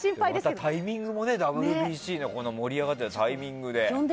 またタイミングもＷＢＣの盛り上がっているタイミングで。